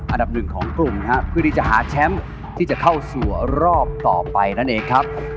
อันดับหนึ่งของกลุ่มนะครับเพื่อที่จะหาแชมป์ที่จะเข้าสู่รอบต่อไปนั่นเองครับ